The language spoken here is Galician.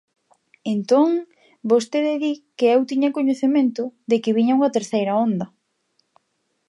Entón, vostede di que eu tiña coñecemento de que viña unha terceira onda.